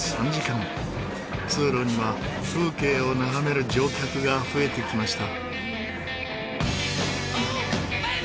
通路には風景を眺める乗客が増えてきました。